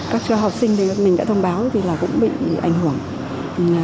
các học sinh mình đã thông báo thì cũng bị ảnh hưởng